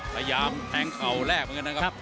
พยายามแทงเข่าแรกเหมือนกันนะครับ